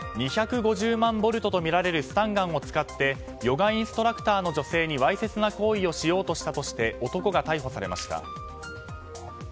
２５０万ボルトとみられるスタンガンを使ってヨガインストラクターの女性にわいせつな行為をしようとしたとして男が逮捕されました。